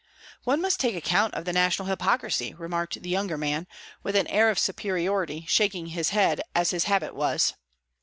"One must take account of the national hypocrisy," remarked the younger man, with an air of superiority, shaking his head as his habit was.